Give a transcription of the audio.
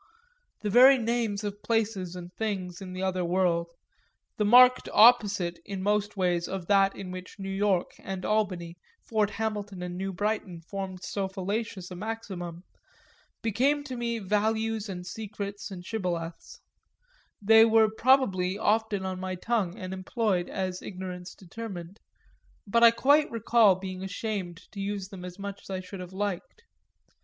The very names of places and things in the other world the marked opposite in most ways of that in which New York and Albany, Fort Hamilton and New Brighton formed so fallacious a maximum became to me values and secrets and shibboleths; they were probably often on my tongue and employed as ignorance determined, but I quite recall being ashamed to use them as much as I should have liked.